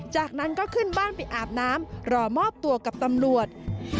จากนั้นก็ขึ้นบ้านไปอาบน้ำรอมอบตัวกับตำรวจ